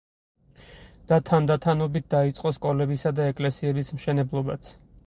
და თანდათანობით დაიწყო სკოლებისა და ეკლესიების მშენებლობაც.